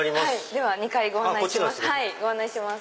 では２階ご案内します。